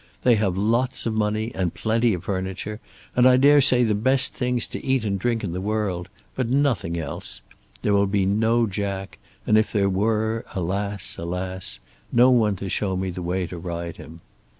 They have lots of money, and plenty of furniture, and I dare say the best things to eat and drink in the world, but nothing else. There will be no Jack; and if there were, alas, alas, no one to show me the way to ride him.